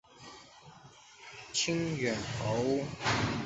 清远侯。